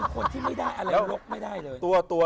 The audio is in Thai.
คนที่ไม่ได้อะไรลกไม่ได้เลย